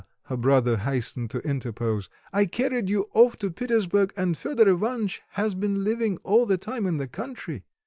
her brother hastened to interpose. "I carried you off to Petersburg, and Fedor Ivanitch has been living all the time in the country."